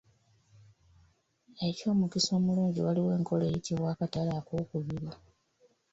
Eky'omukisa omulungi waliwo enkola eyitibwa Akatale Ak'okubiri.